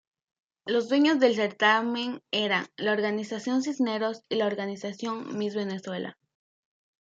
Los dueños del certamen eran la Organización Cisneros y la Organización Miss Venezuela.